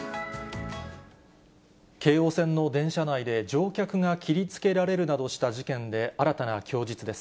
京王線の電車内で、乗客が切りつけられるなどした事件で、新たな供述です。